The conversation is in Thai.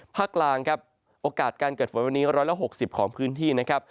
ภาคกลางครับโอกาสการเกิดฝนวันนี้๑๖๐ของพื้นที่นะครับ